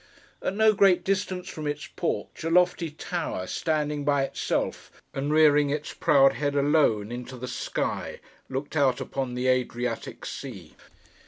At no great distance from its porch, a lofty tower, standing by itself, and rearing its proud head, alone, into the sky, looked out upon the Adriatic Sea.